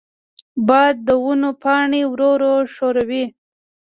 باد د ونو پاڼې ورو ورو ښوروي.